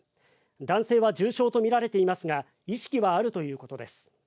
男性は重傷とみられていますが意識はあるということです。